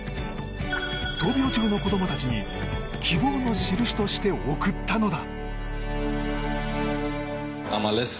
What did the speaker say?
闘病中の子供たちに希望の印として贈ったのだ。